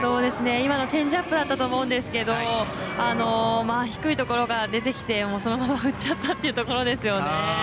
今のチェンジアップだったと思うんですけど低いところから出てきてそのまま振っちゃったっていうところですよね。